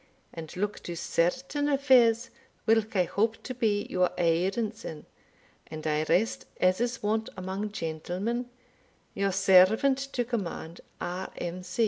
and look to certain affairs whilk I hope to be your aidance in; and I rest, as is wont among gentlemen, your servant to command, R. M.